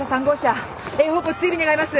Ａ方向追尾願います。